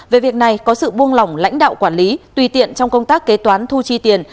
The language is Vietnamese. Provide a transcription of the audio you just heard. về việc này có sự buông lỏng lãnh đạo quản lý tùy tiện trong công tác kế toán thu chi tiền